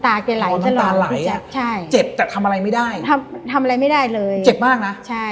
ตาไหลอะเจ็บแต่ทำอะไรไม่ได้ทำอะไรไม่ได้เลยเจ็บมากนะ